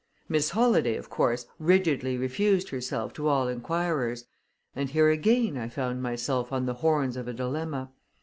Miss Holladay, of course, rigidly refused herself to all inquirers, and here, again, I found myself on the horns of a dilemma.